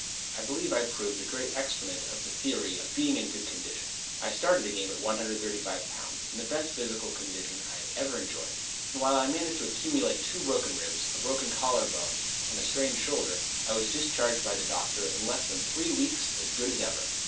I believe I proved a good exponent of the theory of being in good condition. I started the game at 135 pounds, in the best physical condition I have ever enjoyed, and while I managed to accumulate two broken ribs, a broken collar bone and a sprained shoulder, I was discharged by the doctor in less than three weeks as good as ever.